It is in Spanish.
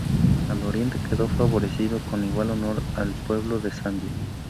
Al oriente, quedó favorecido con igual honor el pueblo de Sandia.